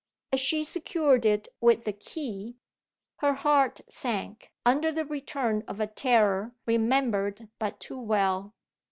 As she secured it with the key, her heart sank under the return of a terror remembered but too well.